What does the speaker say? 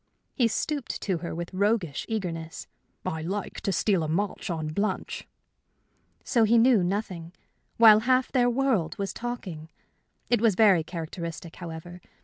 He stooped to her with roguish eagerness. "I like to steal a march on Blanche." So he knew nothing while half their world was talking! It was very characteristic, however.